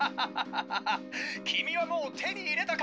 きみはもうてにいれたか！？